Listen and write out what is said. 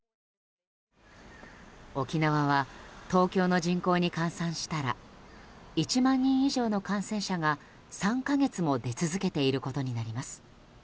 沖縄は、東京の人口に換算したら１万人以上の感染者が３か月も出続けていることになります。